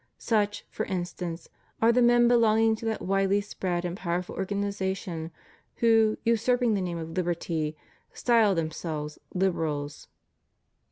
Such, for instance, are the men belonging to that widely spread and powerful organization, who, usurping the name of liberty, style themselves Liberals